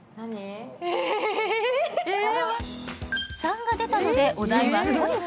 ３が出たのでお題はトリュフ。